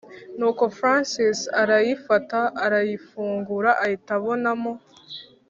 nuko francis arayifata arayifungura ahita abonamo